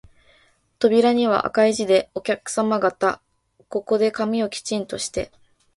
扉には赤い字で、お客さま方、ここで髪をきちんとして、